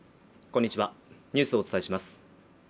こんにちはニュースをお伝えします